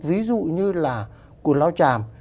ví dụ như là quần lao tràm